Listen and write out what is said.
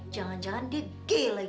jangan jangan dia g lagi